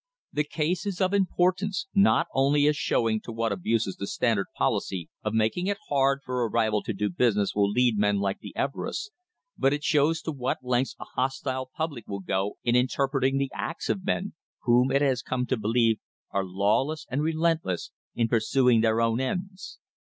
The case is of importance not only as showing to what abuses the Standard policy of making it hard for a rival to do business will lead men like the Everests, but it shows to what lengths a hostile public will go in inter preting the acts of men whom it has come to believe are law less and relentless in pursuing their own ends.